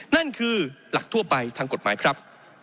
นั่นคือหลักทั่วไปทางกฎหมายครับ